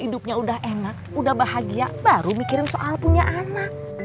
hidupnya udah enak udah bahagia baru mikirin soal punya anak